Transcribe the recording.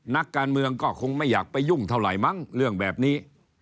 นักการเมืองก็คงไม่อยากไปยุ่งเท่าไหร่มั้งเรื่องแบบนี้